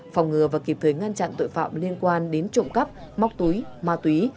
phòng ngừa và kịp thời ngăn chặn tội phạm liên quan đến trộm cắp móc túi ma túy